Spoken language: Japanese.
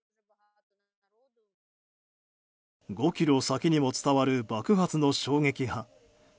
５ｋｍ先にも伝わる爆発の衝撃波。